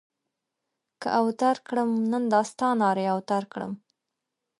که اوتر کړم؛ نن دا ستا نارې اوتر کړم.